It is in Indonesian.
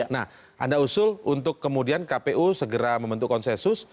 nah anda usul untuk kemudian kpu segera membentuk konsensus